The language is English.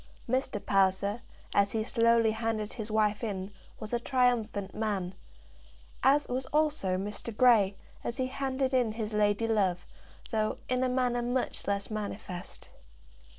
Mr. Palliser, as he slowly handed his wife in, was a triumphant man; as was also Mr. Grey, as he handed in his lady love, though, in a manner, much less manifest.